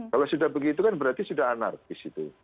kalau sudah begitu kan berarti sudah anarkis